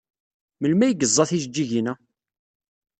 Melmi ay yeẓẓa tijeǧǧigin-a?